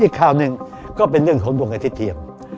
อีกคราวหนึ่งก็เป็นเรื่องของดวงอธิเทียม